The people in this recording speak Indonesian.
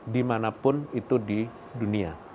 dimanapun itu di dunia